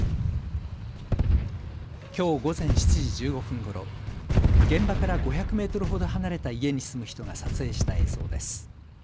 きょう午前７時１５分ごろ、現場から５００メートルほど離れた家に住む人が撮影した映像です。